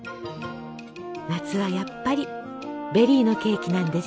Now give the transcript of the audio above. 夏はやっぱりベリーのケーキなんですね！